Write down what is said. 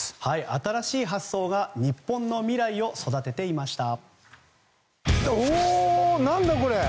新しい発想が日本の未来を育てていました。